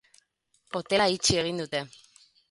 Hotela itxi egin dute.